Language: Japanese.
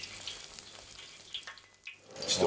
ちょっと。